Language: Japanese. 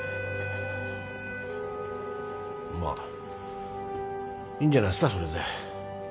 まあいいんじゃないですかそれで。